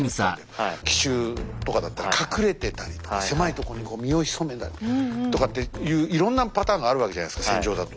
奇襲とかだったら隠れてたりとか狭いとこに身を潜めたりとかっていういろんなパターンがあるわけじゃないですか戦場だと。